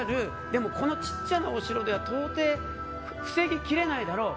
でもこの小さなお城では到底、防ぎきれないだろう。